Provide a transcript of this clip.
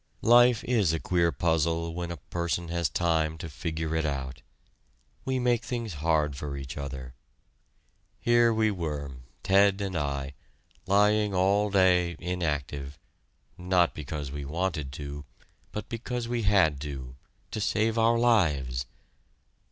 Life is a queer puzzle when a person has time to figure it out. We make things hard for each other. Here we were, Ted and I, lying all day inactive, not because we wanted to, but because we had to, to save our lives.